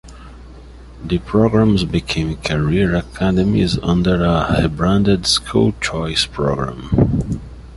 The programs became career academies under a rebranded "School Choice" program.